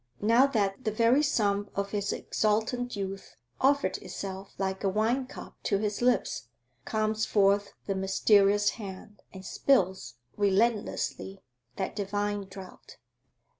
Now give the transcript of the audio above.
Now that the very sum of his exultant youth offered itself like a wine cup to his lips, comes forth the mysterious hand and spills relentlessly that divine draught.